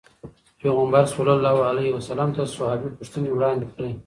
پيغمبر صلي الله علیه وسلم ته صحابي پوښتنې وړاندې کړې.